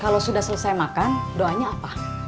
kalau sudah selesai makan doanya apa